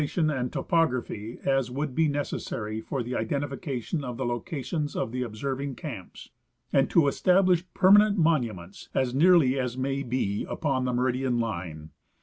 tion and topography as would be necessary for the identification of the locations of the observing camps, and to establish perma nent monuments as nearly as may be upon the meridian line.